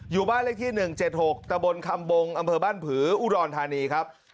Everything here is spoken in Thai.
อยู่บ้านเลขที่๑๗๖ตะบนคำบงอำเภอบ้านผืออุดรธานีครับ